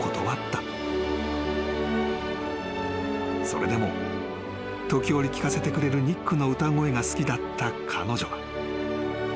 ［それでも時折聞かせてくれるニックの歌声が好きだった彼女は］